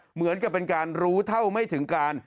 เหมือนกับเป็นการรู้เท่าไม่ถึงการ